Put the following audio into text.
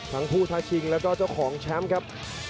ทั้งผู้ทักชิงแล้วก็เจ้าของแชมป์ครับ